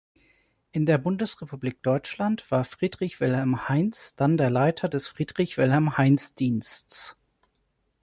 In der Bundesrepublik Deutschland war Friedrich Wilhelm Heinz dann der Leiter des Friedrich-Wilhelm-Heinz-Diensts.